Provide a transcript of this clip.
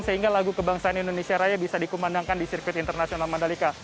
sehingga lagu kebangsaan indonesia raya bisa dikumandangkan di sirkuit internasional mandalika